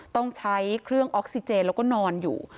ต้องใช้เครื่องออกซิเจนแล้วก็นอนอยู่